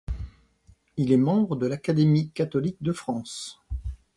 Il est membre de l’Académie catholique de France.